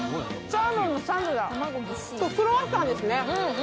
サーモンのサンドとクロワッサンですね。